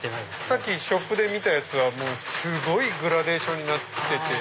さっきショップで見たやつはすごいグラデーションになってて。